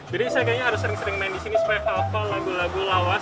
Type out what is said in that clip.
jadi saya kayaknya harus sering sering main di sini supaya hafal lagu lagu lawas